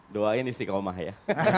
doain istiqomah ya